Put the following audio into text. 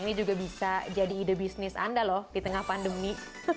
ini juga bisa jadi ide bisnis anda loh di tengah pandemi